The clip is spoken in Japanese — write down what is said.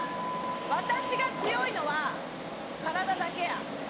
私が強いのは体だけや！